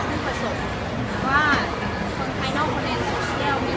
มองยังไงจะเป็นเด็กในสายตาของผู้ใหญ่สำหรับเราเองเนี่ย